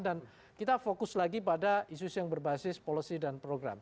dan kita fokus lagi pada isu isu yang berbasis policy dan program